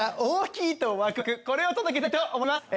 これを届けたいと思います。